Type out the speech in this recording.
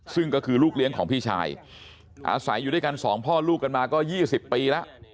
ซึ่งก็คือลูกเลี้ยงของพี่ชายอาศัยอยู่ด้วยกันสองพ่อลูกกันมาก็๒๐ปีแล้ว